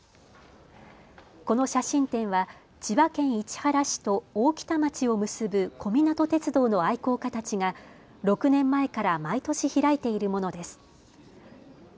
この写真展は千葉県市原市と大多喜町を結ぶ小湊鐵道の愛好家たちが６年前から毎年開いているものです。